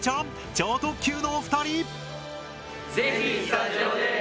超特急のお二人！